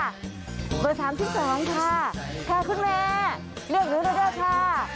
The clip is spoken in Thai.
โดยสามที่สองค่ะคุณแม่เลือกหนึ่งหนึ่งเด้อค่ะ